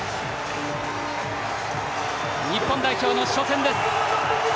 日本代表の初戦です。